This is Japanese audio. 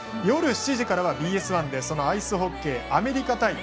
夜７時からはＢＳ１でアイスホッケーアメリカ対